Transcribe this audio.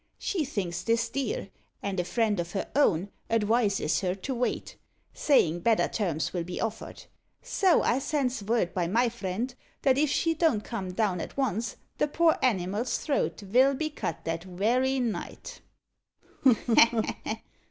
She thinks this dear, and a friend o' her own adwises her to wait, sayin' better terms will be offered; so I sends vord by my friend that if she don't come down at once the poor animal's throat vill be cut that werry night."